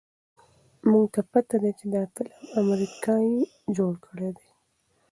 مونږ ته پته ده چې دا فلم امريکې جوړ کړے دے